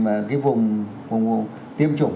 cái vùng tiêm chủng